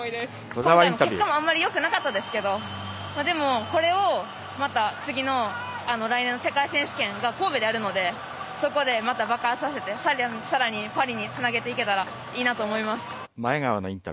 今回、結果もあまりよくなかったですけどでも、これをまた次の来年の世界選手権が神戸であるのでそこで、また爆発させて、さらにパリにつなげていけたらいいなと思います。